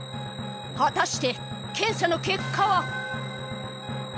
果たして検査の結果は？